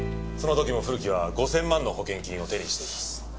その時も古木は５０００万の保険金を手にしています。